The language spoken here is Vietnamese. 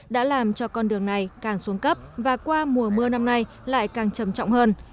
đã làm cho con đường này càng xuống cấp và qua mùa mưa năm nay lại càng trầm trọng hơn